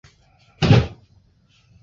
乳白黄耆为豆科黄芪属的植物。